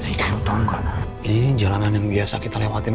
ini jalanan yang biasa kita lewatin